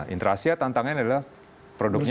nah intra asia tantangannya adalah produknya